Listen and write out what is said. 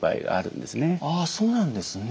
あそうなんですね。